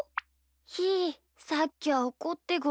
ひーさっきはおこってごめん。